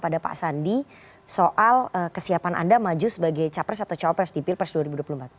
tidak pernah memanggil ataupun bertanya kepada pak sandi soal kesiapan anda maju sebagai capres atau cowapres di pilpres dua ribu dua puluh empat